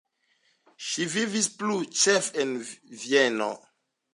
Ŝi vivis plu ĉefe en Vieno.